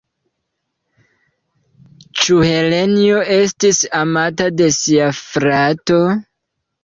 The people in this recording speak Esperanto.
Ĉu Helenjo estis amata de sia frato?